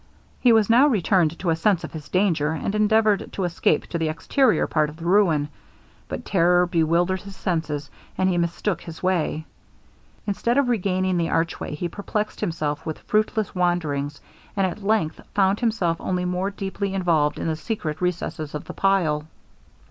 He was now returned to a sense of his danger, and endeavoured to escape to the exterior part of the ruin; but terror bewildered his senses, and he mistook his way. Instead of regaining the arch way, he perplexed himself with fruitless wanderings, and at length found himself only more deeply involved in the secret recesses of the pile.